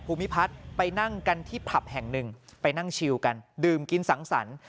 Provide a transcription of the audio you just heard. ภูมิพัฒน์ไปนั่งกันที่ผับแห่งหนึ่งไปนั่งชิวกันดื่มกินสังสรรค์